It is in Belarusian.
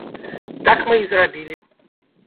Так мы і зрабілі.